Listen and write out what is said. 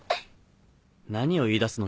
何を言い出すの？